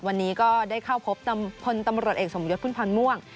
วันนี้ก็ได้เข้าพบพลตำรวจเอกสมยศพุ่มพรม่วง